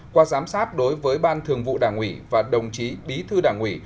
một qua giám sát đối với ban thường vụ đảng ủy và đồng chí bí thư đảng ủy